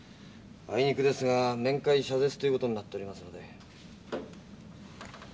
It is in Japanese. あいにくですが面会謝絶という事になっておりますので。